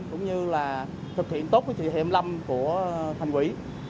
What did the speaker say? cũng như thực hiện tốt với thị hệ năm của thành quỷ